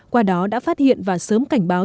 qua đó đã phát hiện và sớm cảnh báo